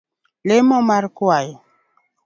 Lemo mar kwayo